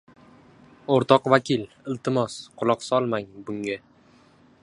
— O‘rtoq vakil! Iltimos, quloq solmang, bunga.